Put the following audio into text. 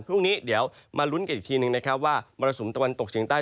พรุ่งนี้เดี๋ยวมาลุ้นกันอีกทีหนึ่งนะครับว่ามรสุมตะวันตกเฉียงใต้